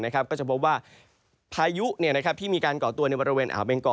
ก็จะพบว่าพายุที่มีการก่อตัวในบริเวณอ่าวเบงกอ